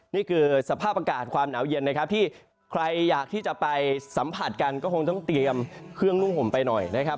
นี่คือสภาพอากาศความหนาวเย็นนะครับที่ใครอยากที่จะไปสัมผัสกันก็คงต้องเตรียมเครื่องนุ่งห่มไปหน่อยนะครับ